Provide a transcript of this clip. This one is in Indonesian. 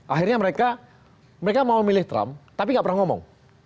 akhirnya mereka mereka mau memilih trump tapi nggak pernah ngomong